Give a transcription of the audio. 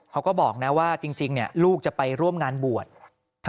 เขาก็บอกนะว่าจริงลูกจะไปร่วมงานบวช